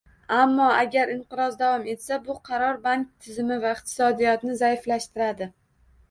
Ammo, agar inqiroz davom etsa, bu qaror bank tizimi va iqtisodiyotini zaiflashtiradi